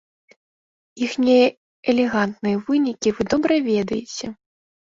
Іхнія элегантныя вынікі вы добра ведаеце.